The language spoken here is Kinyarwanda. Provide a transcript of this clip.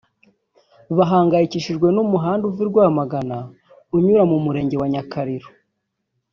bahangayikishijwe n’umuhanda uva i Rwamagana unyura mu Murenge wa Nyakariro